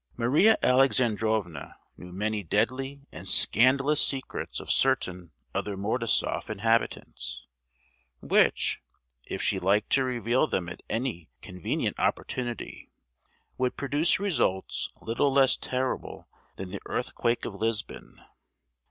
Maria Alexandrovna knew many deadly and scandalous secrets of certain other Mordasoff inhabitants, which, if she liked to reveal them at any convenient opportunity, would produce results little less terrible than the earthquake of Lisbon.